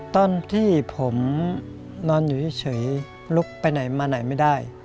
ตอนที่ผมนอนอยู่เฉยลุกไปไหนมาไหนไม่ได้